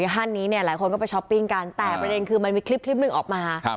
ท่านนี้เนี่ยหลายคนก็ไปช้อปปิ้งกันแต่ประเด็นคือมันมีคลิปหนึ่งออกมา